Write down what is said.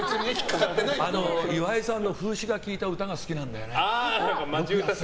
岩井さんの風刺が効いた歌が好きなんだよね。